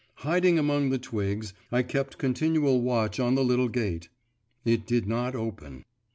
Hiding among the twigs, I kept continual watch on the little gate. It did not open.